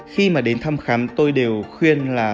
khi mà đến thăm khám tôi đều khuyên là